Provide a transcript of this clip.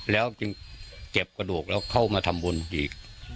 แล้วจึงเก็บกระดูกแล้วเข้ามาทำบุญอีก